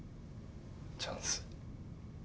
チャンス？